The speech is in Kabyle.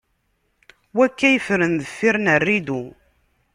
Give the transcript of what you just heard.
Wakka yeffren deffir n rridu?